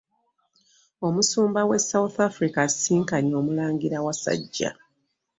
Omusumba w'e South Africa asisinkanye omulangira Wasajja.